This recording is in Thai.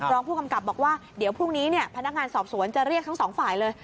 รองผู้กำกับบอกว่าเดี๋ยวพรุ่งนี้พนักงานสอบสวนจะเรียกทั้งสองฝ่ายเลย